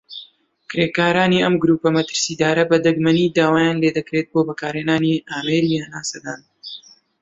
کرێکارانی ئەم گرووپە مەترسیدارە بە دەگمەنی داوایان لێدەکرێت بۆ بەکارهێنانی ئامێری هەناسەدان.